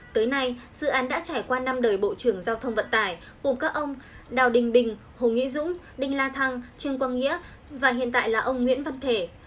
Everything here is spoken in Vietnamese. tới nay dự án đã trải qua năm đời bộ trưởng giao thông vận tải gồm các ông đào đình bình hồ nghĩa dũng đinh la thăng trương quang nghĩa và hiện tại là ông nguyễn văn thể